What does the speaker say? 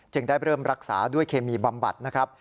ได้เริ่มรักษาด้วยเคมีบำบัดนะครับ